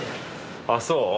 あっそう？